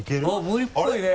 無理っぽいね！